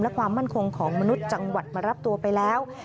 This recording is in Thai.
และความมั่นคงของมนุษย์จังหวัดมารับตัวไปแล้ว